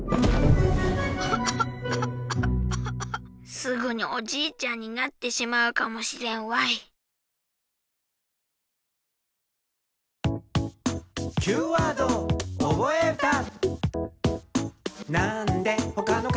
すぐにおじいちゃんになってしまうかもしれんわいさあ